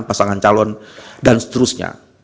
pasangan calon dan seterusnya